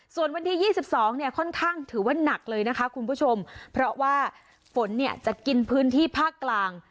ส่วนวันที่๒๒เนี่ยค่อนข้างถือว่าหนักเลยนะคะคุณผู้ชมเพราะว่าฝนเนี่ยจะกินพื้นที่ภาคกลาง